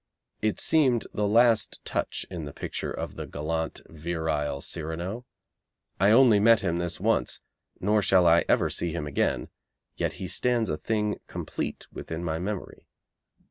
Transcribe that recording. It seemed the last touch in the picture of the gallant, virile Cyrano. I only met him this once, nor shall I ever see him again, yet he stands a thing complete within my memory.